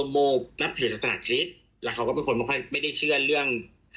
โมนับถือศาสนาคริสต์แล้วเขาก็เป็นคนไม่ค่อยไม่ได้เชื่อเรื่อง